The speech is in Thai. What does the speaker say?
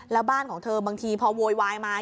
แล้วบ้านของเธอบางทีพอโวยวายมา